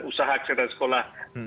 usaha kesehatan sekolah